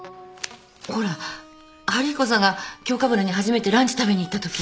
ほら春彦さんが京かぶらに初めてランチ食べに行ったとき。